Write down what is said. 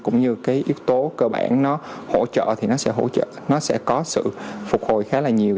cũng như cái yếu tố cơ bản nó hỗ trợ thì nó sẽ có sự phục hồi khá là nhiều